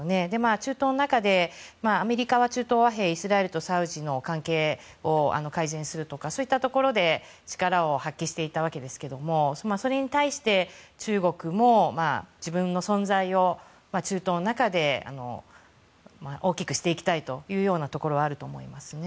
中東の中でアメリカは中東和平イスラエルとサウジの関係を改善するとかそういったところで力を発揮していたわけですがそれに対して中国も自分の存在を中東の中で大きくしていきたいというようなところがあると思いますね。